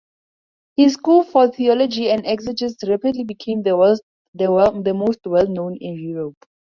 His school for theology and exegesis rapidly became the most well known in Europe.